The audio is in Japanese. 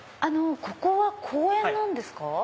ここは公園なんですか？